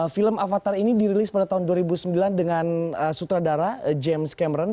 film avatar ini dirilis pada tahun dua ribu sembilan dengan sutradara james cameron